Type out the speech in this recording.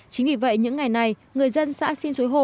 chính vì vậy những ngày này người dân xã xin suối hồ